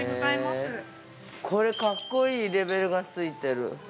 ◆これ格好いいレベルがついてる。